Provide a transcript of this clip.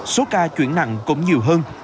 số ca chuyển nặng cũng nhiều hơn